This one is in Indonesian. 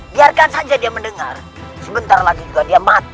biarkan saja dia mendengar sebentar lagi juga dia mati